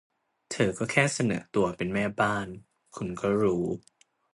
เธอก็แค่เสนอตัวเป็นแม่บ้าน คุณก็รู้